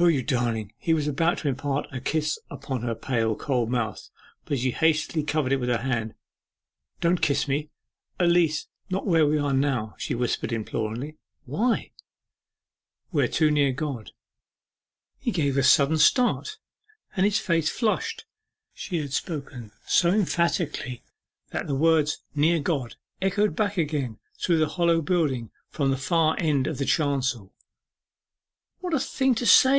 'O, you darling!' He was about to imprint a kiss upon her pale, cold mouth, but she hastily covered it with her hand. 'Don't kiss me at least where we are now!' she whispered imploringly. 'Why?' 'We are too near God.' He gave a sudden start, and his face flushed. She had spoken so emphatically that the words 'Near God' echoed back again through the hollow building from the far end of the chancel. 'What a thing to say!